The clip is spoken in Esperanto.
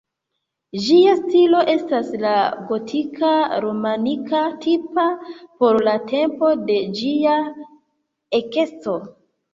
Ĝia stilo estas la gotika-romanika tipa por la tempo de ĝia ekesto.